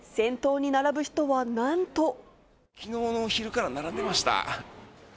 きのうの昼から並んでました。